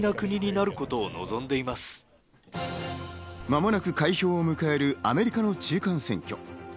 間もなく開票を迎えるアメリカの中間選挙。